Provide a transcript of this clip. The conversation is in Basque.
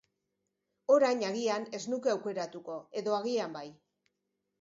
Orain agian ez nuke aukeratuko, edo agian bai.